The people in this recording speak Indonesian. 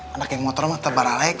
anak geng motor mah tebar alek